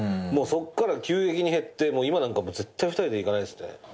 もうそこからは急激に減って今なんかは絶対２人では行かないですね。